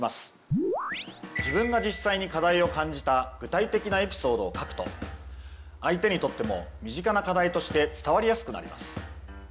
「自分が実際に課題を感じた具体的なエピソード」を書くと相手にとっても身近な課題として伝わりやすくなります。